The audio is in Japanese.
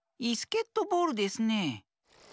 イスケットボールですね。